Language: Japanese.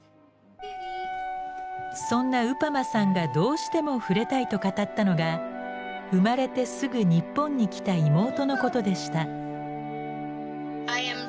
そんなウパマさんがどうしても触れたいと語ったのが生まれてすぐ日本に来た妹のことでした。